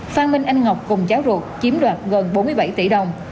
phan minh anh ngọc cùng giáo ruột chiếm đoạt gần bốn mươi bảy tỷ đồng